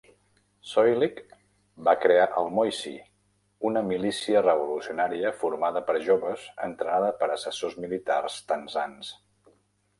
Soilih va crear el "moissy", una milícia revolucionària formada per joves entrenada per assessors militars tanzans.